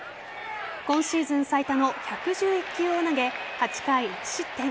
今シーズン最多の１１１球を投げ８回１失点。